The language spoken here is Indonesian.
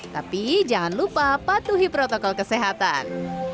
tapi jangan lupa patuhi protokol kesehatan